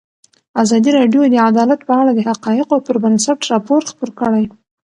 ازادي راډیو د عدالت په اړه د حقایقو پر بنسټ راپور خپور کړی.